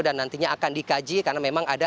dan nantinya akan dikaji karena memang ada